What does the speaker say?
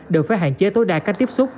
được phải hạn chế tối đa cách tiếp xúc